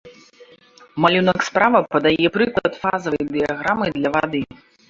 Малюнак справа падае прыклад фазавай дыяграмы для вады.